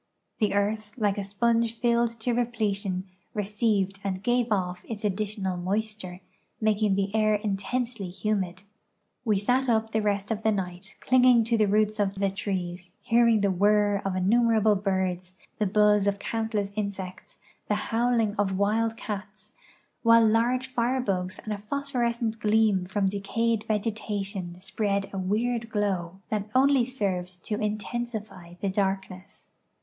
The earth, like a sponge filled to repletion, received and gave off' its additional moisture, making the air intensely humid. We sat up the rest of the night, clinging to the roots of the trees, hearing the whirr of innumerable birds, the buzz of countless insects, and the howl ing of wild cats, while large firebugs and a phosphorescent gleam from decayed vegetation spread a weird glow that only served to intensify the darkness.